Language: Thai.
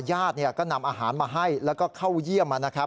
ญาติก็นำอาหารมาให้แล้วก็เข้าเยี่ยมนะครับ